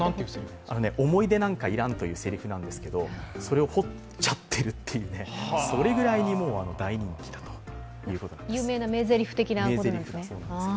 「思い出なんか要らん」というせりふなんですが、それを彫っちゃっているというね、それぐらい大人気だということなんです。